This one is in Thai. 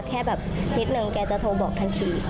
แค่แบบนิดนึงแกจะโทรบอกทันที